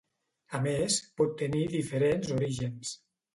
A més pot tenir diferents orígens.